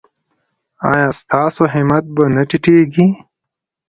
ایا ستاسو همت به نه ټیټیږي؟